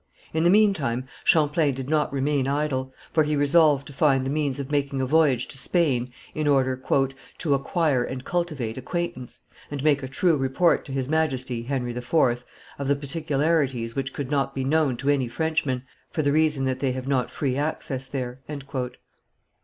In the meantime Champlain did not remain idle, for he resolved to find the means of making a voyage to Spain in order "to acquire and cultivate acquaintance, and make a true report to His Majesty (Henry IV) of the particularities which could not be known to any Frenchmen, for the reason that they have not free access there."